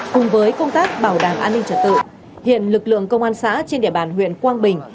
cùng với công tác bảo đảm an ninh trật tự hiện lực lượng công an xã trên địa bàn huyện quang bình